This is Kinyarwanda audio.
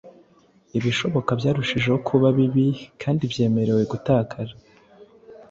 ibishoboka byarushijeho kuba bibi kandi byemerewe gutakara